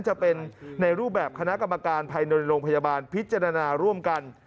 จะเป็นในรูปแบบคณะกรรมการภายในโรงพยาบาลพิจารณาร่วมกัน